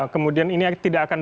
kemudian ini tidak akan